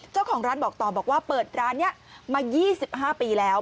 เจ้าของร้านบอกต่อบอกว่าเปิดร้านนี้มา๒๕ปีแล้ว